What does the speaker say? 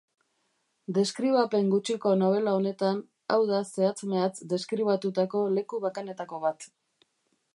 Deskribapen gutxiko nobela honetan, hau da zehatz-mehatz deskribatutako leku bakanetako bat.